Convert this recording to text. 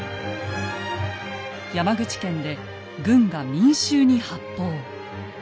山口県で軍が民衆に発砲。